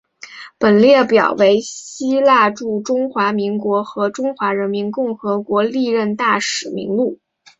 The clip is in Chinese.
本列表为希腊驻中华民国和中华人民共和国历任大使名录。